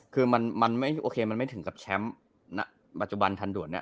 คือโอเคมันไม่ถึงกับแชมป์ปัจจุบันทันโดดนะ